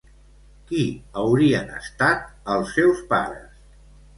Qui haurien estat els seus pares?